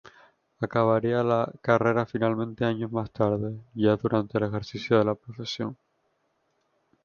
Acabaría la carrera finalmente años más tarde, ya durante el ejercicio de la profesión.